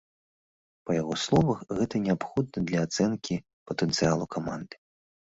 Па яго словах, гэта неабходна для ацэнкі патэнцыялу каманды.